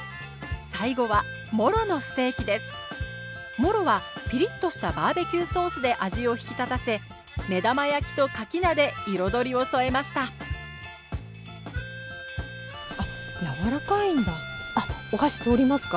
モロはピリッとしたバーベキューソースで味を引き立たせ目玉焼きとかき菜で彩りを添えましたお箸通りますか？